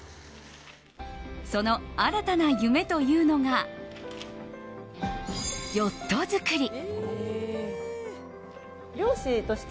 その新たな夢というのがヨット作り。